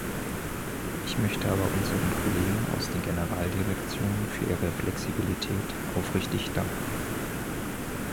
Ich möchte aber unseren Kollegen aus den Generaldirektionen für ihre Flexibilität aufrichtig danken.